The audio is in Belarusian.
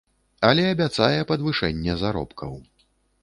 Але абяцае падвышэнне заробкаў.